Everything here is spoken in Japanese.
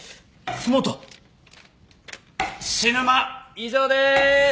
以上でーす。